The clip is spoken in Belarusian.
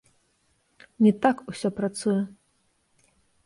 Не так усё працуе.